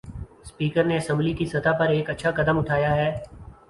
Speaker نے assembly کی سطح پر ایک اچھا قدم اٹھایا ہے۔